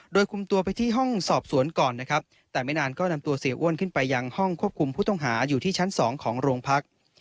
โดยคุมตัวไปที่ห้องสอบสวนก่อนนะครับแต่ไม่นานก็นำตัวเสียอ้วนขึ้นไปยังห้องควบคุมผู้ต้องหาอยู่ที่ชั้นสองของโรงพัก